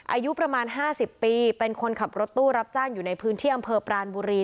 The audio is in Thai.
อายุประมาณ๕๐ปีเป็นคนขับรถตู้รับจ้างอยู่ในพื้นที่อำเภอปรานบุรี